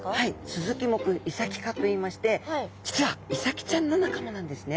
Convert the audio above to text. スズキ目イサキ科といいまして実はイサキちゃんの仲間なんですね。